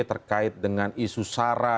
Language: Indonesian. terkait dengan isu sara